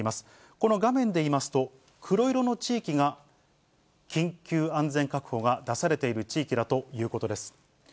この画面でいいますと、黒色の地域が緊急安全確保が出されている地域だということです。